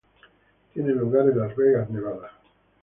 Tiene lugar en Las Vegas, Nevada.